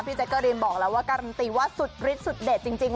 แจ๊กเกอรีนบอกแล้วว่าการันตีว่าสุดฤทธิสุดเด็ดจริง